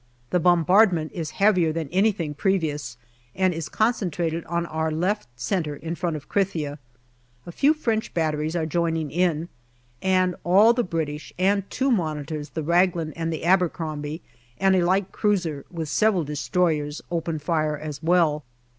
The bombardment is heavier than anything previous, and is concentrated on our left centre in front of Krithia. A few French batteries are joining in, and all the British and two Monitors, the Raglan and the Abercrombie,' and a light cruiser, with several destroyers, open fire as well.